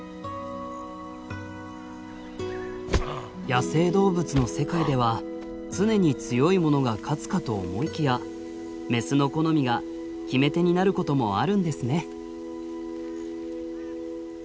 野生動物の世界では常に強いものが勝つかと思いきやメスの好みが決め手になることもあるんですね。